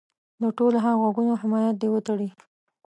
د ټولو هغه غږونو حمایت دې وتړي.